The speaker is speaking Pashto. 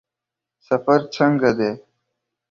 سفر څنګه دی؟